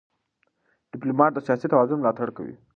ډيپلومات د سیاسي توازن ملاتړ کوي.